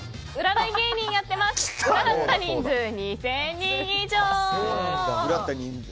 占った人数２０００人以上。